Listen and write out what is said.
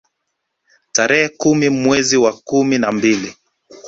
Tarehe kumi mwezi wa kumi na mbili